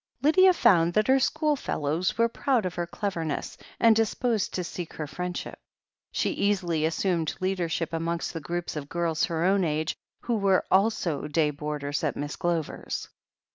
Lydia found that her schoolfellows were proud of her cleverness, and disposed to seek her friendship. She easily assumed leadership amongst the group of girls of her own age who were also day boarders at Miss Glover's.